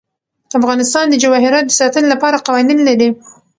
افغانستان د جواهرات د ساتنې لپاره قوانین لري.